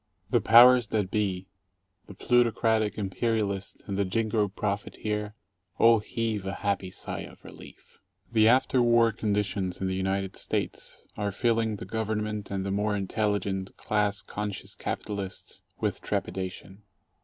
The powers that be — the plutocratic imperialist and the jingo profiteer — all heave a happy sigh of relief. Ill The after war conditions in the United States are filling the Government and the more intelligent, class conscious capitalists with trepidation.